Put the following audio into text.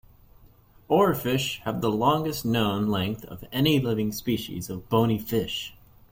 Oarfish have the longest known length of any living species of bony fish.